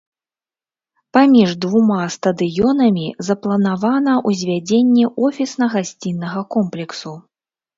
Паміж двума стадыёнамі запланавана ўзвядзенне офісна-гасцінічнага комплексу.